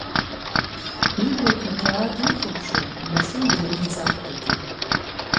Иблақәа ҭраа длыхәаԥшуан, амашьына данрыцақәтәагьы.